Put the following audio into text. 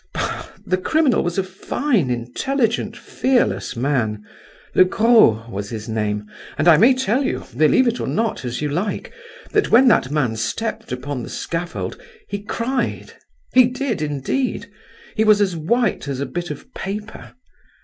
—bah! The criminal was a fine intelligent fearless man; Le Gros was his name; and I may tell you—believe it or not, as you like—that when that man stepped upon the scaffold he cried, he did indeed,—he was as white as a bit of paper.